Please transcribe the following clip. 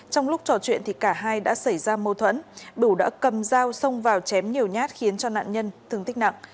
trong lúc trò chuyện thì cả hai đã xảy ra mâu thuẫn đủ đã cầm dao xông vào chém nhiều nhát khiến cho nạn nhân thương tích nặng